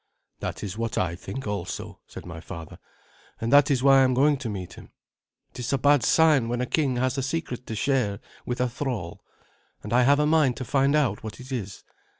"That is what I think also," said my father, "and that is why I am going to meet him. It is a bad sign when a king has a secret to share with a thrall, and I have a mind to find out what it is.